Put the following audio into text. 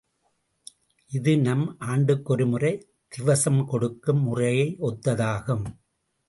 இது நாம் ஆண்டுக்கொருமுறை திவசம் கொடுக்கும் முறையை ஒத்ததாகும்.